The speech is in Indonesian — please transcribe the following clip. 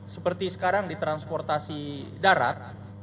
seperti sekarang di transportasi darat